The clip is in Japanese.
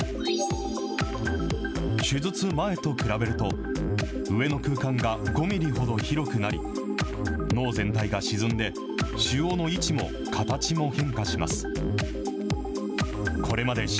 手術前と比べると、上の空間が５ミリほど広くなり、脳全体が沈んで腫瘍の位置も形も変化します。